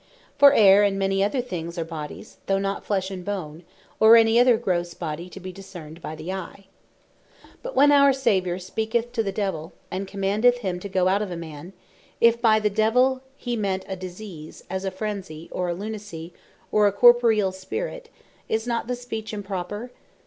For Air and many other things are Bodies, though not Flesh and Bone, or any other grosse body, to bee discerned by the eye. But when our Saviour speaketh to the Devill, and commandeth him to go out of a man, if by the Devill, be meant a Disease, as Phrenesy, or Lunacy, or a corporeal Spirit, is not the speech improper?